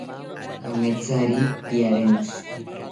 Kamethari piarentzi